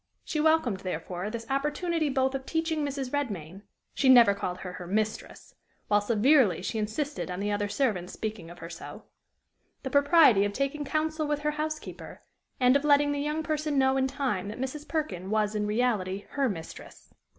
She welcomed, therefore, this opportunity both of teaching Mrs. Redmain she never called her her mistress, while severely she insisted on the other servants' speaking of her so the propriety of taking counsel with her housekeeper and of letting the young person know in time that Mrs. Perkin was in reality her mistress.